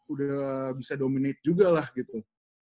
udah bisa dominate juga lah gitu